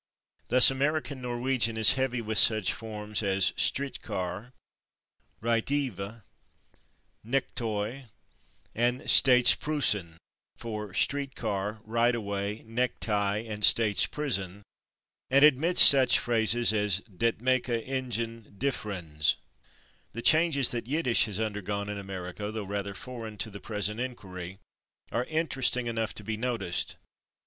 Thus, American Norwegian is heavy with such forms as /strit kar/, /reit evé/, /nekk töi/ and /staits pruessen/, for /street car/, /right away/, /necktie/ and /states prison/, and admits such phrases as "det /meka/ ingen /difrens/." The changes that Yiddish has undergone in America, though rather foreign to the present inquiry, are interesting enough to be noticed.